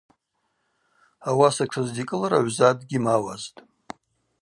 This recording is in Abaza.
Ауаса тшыздикӏылра гӏвза дгьимауазтӏ.